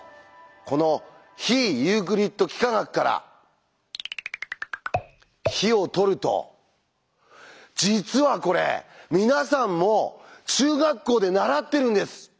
この「非ユークリッド幾何学」から「非」をとると実はこれ皆さんも中学校で習ってるんです！